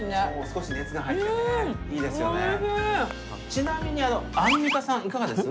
ちなみに、アンミカさんいかがです？